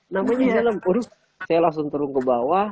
namanya di dalam waduh saya langsung turun ke bawah